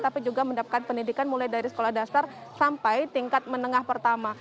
tapi juga mendapatkan pendidikan mulai dari sekolah dasar sampai tingkat menengah pertama